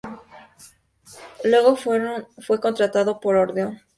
Luego fue contratado por Odeón.